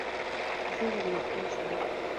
زه ور نږدې شوم.